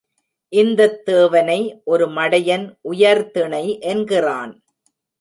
இந்தத் தேவனை ஒரு மடையன் உயர்திணை என்கிறான்.